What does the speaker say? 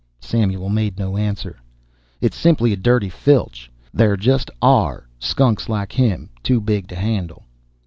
Samuel made no answer. "It's simply a dirty filch. There just ARE skunks like him too big to handle."